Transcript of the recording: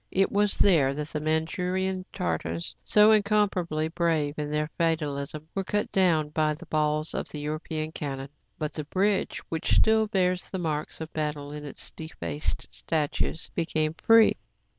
It was there that the Mandshurian Tar tars, so incomparably brave in their fatalism, were cut down by the balls from European cannon. But the bridge, which still bears the marks of battle in its defaced statues, became free.